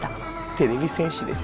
てれび戦士です。